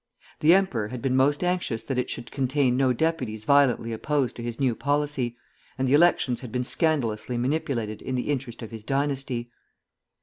The emperor had been most anxious that it should contain no deputies violently opposed to his new policy, and the elections had been scandalously manipulated in the interest of his dynasty.